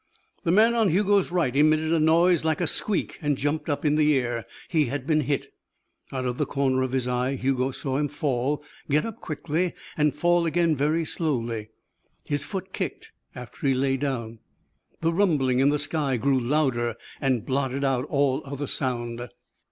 The man on Hugo's right emitted a noise like a squeak and jumped up in the air. He had been hit. Out of the corner of his eye Hugo saw him fall, get up quickly, and fall again very slowly. His foot kicked after he lay down. The rumbling in the sky grew louder and blotted out all other sound.